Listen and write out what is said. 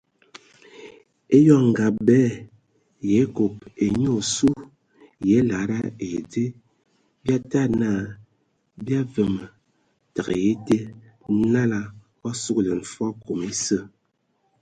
Eyɔŋ ngab bɛ yə a ekob ai e nyi osu yə a e lada ai dzə bi a tadi na bi aweme təgɛ ete, nala o a sugəlɛn fol kɔm esə.